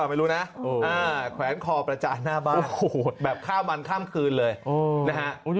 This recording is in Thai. ไม่รู้นะแขวนคอประจานหน้าบ้านแบบข้ามวันข้ามคืนเลยนะฮะ